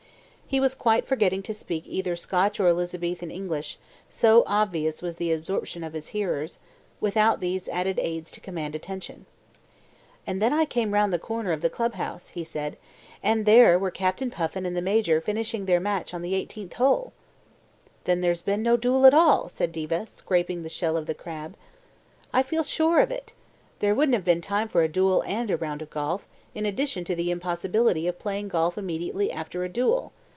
He was quite forgetting to speak either Scotch or Elizabethan English, so obvious was the absorption of his hearers, without these added aids to command attention. "And then I came round the corner of the club house," he said, "and there were Captain Puffin and the Major finishing their match on the eighteenth hole." "Then there's been no duel at all," said Diva, scraping the shell of the crab. "I feel sure of it. There wouldn't have been time for a duel and a round of golf, in addition to the impossibility of playing golf immediately after a duel.